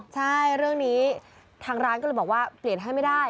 ใช่เรื่องนี้ทางร้านก็เลยบอกว่าเปลี่ยนให้ไม่ได้